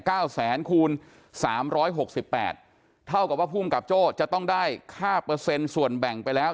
แสนคูณสามร้อยหกสิบแปดเท่ากับว่าภูมิกับโจ้จะต้องได้ค่าเปอร์เซ็นต์ส่วนแบ่งไปแล้ว